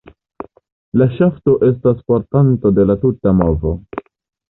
La ŝafto estas portanto de la tuta movo.